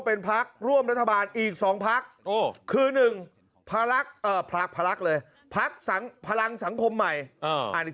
เป็นพักร่วมรัฐบาลอีก๒พักคือ๑พลักษณ์เลยพักพลังสังคมใหม่